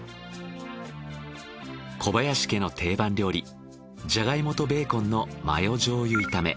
小林家の定番料理ジャガイモとベーコンのマヨ醤油炒め。